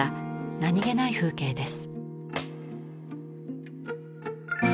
何気ない風景です。